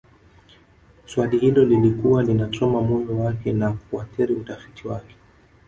Swali hilo lilikuwa linachoma moyo wake na kuathiri utafiti wake